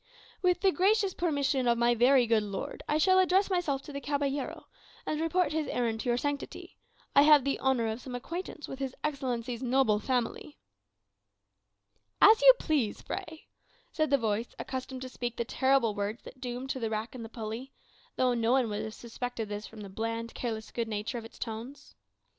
"With the gracious permission of my very good lord, I shall address myself to the caballero, and report his errand to your sanctity. I have the honour of some acquaintance with his Excellency's noble family." "As you please, Fray," said the voice accustomed to speak the terrible words that doomed to the rack and the pulley, though no one would have suspected this from the bland, careless good nature of its tones.